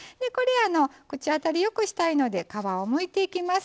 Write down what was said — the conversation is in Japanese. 口当たりよくしたいので皮をむいていきます。